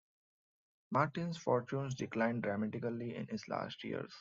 Martin's fortunes declined dramatically in his last years.